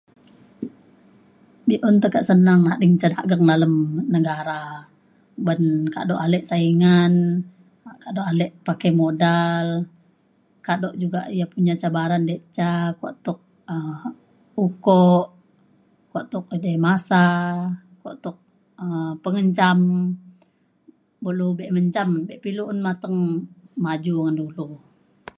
be'un tekak senang nading ca dagang dalem negara ban kaduk alik saingan kaduk alik pakai modal kaduk juga ya punya cabaran da' ca kuak tuk um ukok kuak tok edai masa kuak tok um pengencam bo' lu be' mencam be' lu un mateng maju ngan dulu